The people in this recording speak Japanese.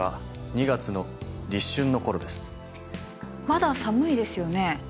まだ寒いですよね。